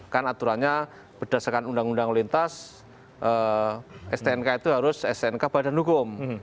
kan aturannya berdasarkan undang undang lintas stnk itu harus snk badan hukum